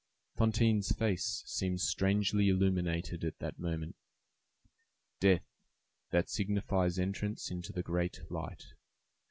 Fantine's face seemed strangely illuminated at that moment. Death, that signifies entrance into the great light.